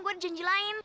gue ada janji lain